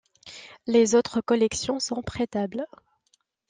Les autres collections sont prêtables.